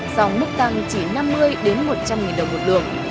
dòng mức tăng chỉ năm mươi đến một trăm linh nghìn đồng một lượng